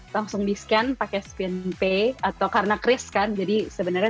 langsung di scan pakai spinpay atau karena kris kan jadi sebenarnya